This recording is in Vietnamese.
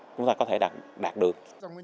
chúng ta có thể đạt được